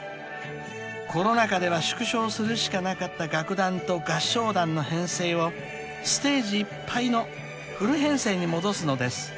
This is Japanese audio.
［コロナ禍では縮小するしかなかった楽団と合唱団の編成をステージいっぱいのフル編成に戻すのです］